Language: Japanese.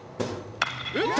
打った！